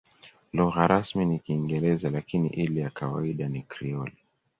Lugha rasmi ni Kiingereza, lakini ile ya kawaida ni Krioli.